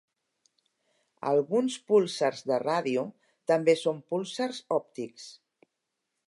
Alguns púlsars de ràdio també són púlsars òptics.